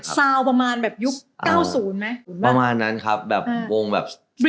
ซาวประมาณแบบยุค๙๐ไหมประมาณนั้นครับแบบวงแบบ